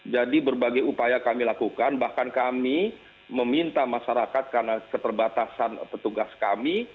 jadi berbagai upaya kami lakukan bahkan kami meminta masyarakat karena keterbatasan petugas kami